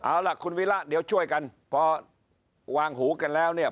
เอาล่ะคุณวิระเดี๋ยวช่วยกันพอวางหูกันแล้วเนี่ย